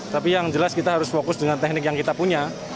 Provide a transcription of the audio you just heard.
tapi yang jelas kita harus fokus dengan teknik yang kita punya